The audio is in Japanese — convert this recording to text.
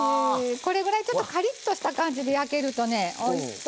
これぐらいちょっとカリッとした感じで焼けるとねおいしそう。